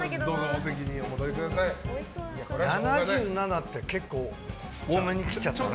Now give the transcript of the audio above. ７７って結構多めに切っちゃったね。